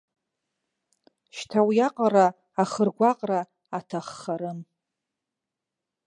Шьҭа уиаҟара ахыргәаҟра аҭаххарым.